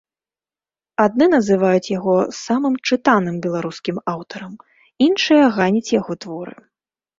Адны называюць яго самым чытаным беларускім аўтарам, іншыя ганяць яго творы.